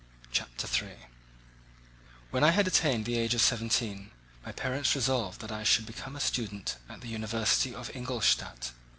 Chapter 3 When I had attained the age of seventeen my parents resolved that I should become a student at the university of Ingolstadt.